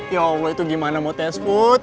ya allah itu gimana mau test food